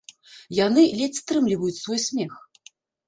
Яны ледзь стрымліваюць свой смех.